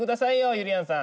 ゆりやんさん！